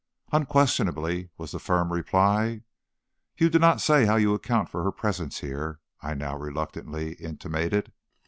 "Unquestionably," was the firm reply. "You do not say how you account for her presence here," I now reluctantly intimated.